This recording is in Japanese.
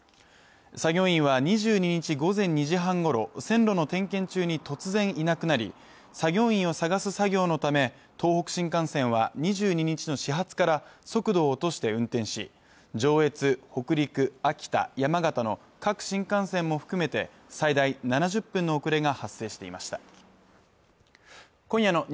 作業員は２２日午前２時半ごろ線路の点検中に突然いなくなり作業員を探す作業のため東北新幹線は２２日の始発から速度を落として運転し上越・北陸・秋田・山形の各新幹線も含めて最大７０分の遅れが発生していました今夜の「ｎｅｗｓ２３」は